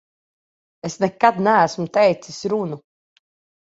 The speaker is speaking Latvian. Es nekad neesmu teicis runu.